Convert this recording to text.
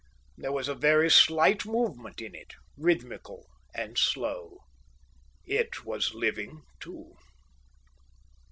There was a very slight movement in it, rhythmical and slow. It was living too.